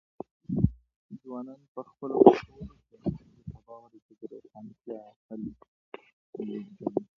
ځوانانو په خپلو کڅوړو کې د سبا ورځې د روښانتیا هیلې لېږدولې.